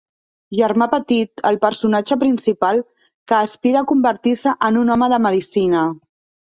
Germà petit: el personatge principal, que aspira a convertir-se en un home de medicina.